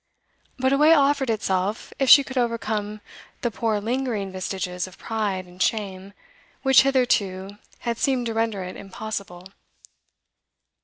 But a way offered itself if she could overcome the poor lingering vestiges of pride and shame which hitherto had seemed to render it impossible.